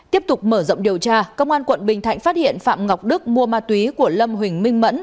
tiếp tục mở rộng điều tra công an tp hcm phát hiện phạm ngọc đức mua ma túy của lâm huỳnh minh mẫn